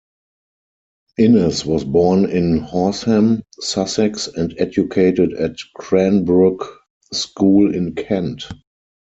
Innes was born in Horsham, Sussex, and educated at Cranbrook School in Kent.